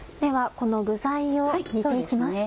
この具材を煮て行きます。